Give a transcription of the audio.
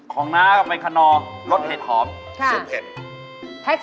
ของน้าก็เป็นคณอรสเผ็ดหอมซุปเผ็ด